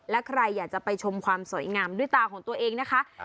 และใครอยากจะไปชมความสวยงามด้วยตาของตัวเองนะคะ